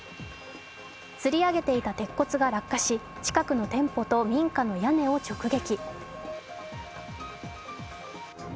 つり上げていた鉄骨が落下し、近くの店舗と民家の屋根を直撃。